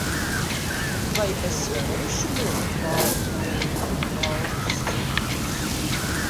Vai es varēšu vilkt baltu kleitu un baltus cimdus?